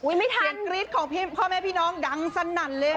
ไม่ทันเสียงกรี๊ดของพ่อแม่พี่น้องดังสนั่นเลย